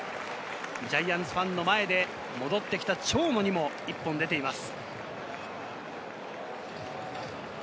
ジャイアンツファンの前で戻ってきた長野にも１本出ています。